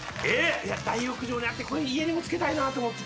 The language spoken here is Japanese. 大浴場にあってこれ家にもつけたいなと思って。